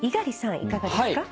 いかがですか？